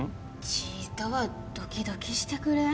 ちいとはドキドキしてくれん？